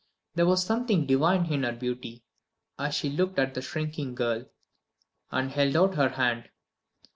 There was something divine in her beauty as she looked at the shrinking girl, and held out her hand.